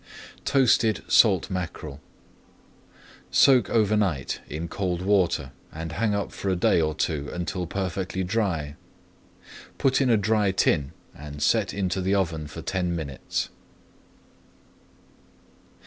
TOASTED SALT MACKEREL Soak over night in cold water, and hang up for a day or two until perfectly dry. Put in a dry tin and set into the oven for ten minutes.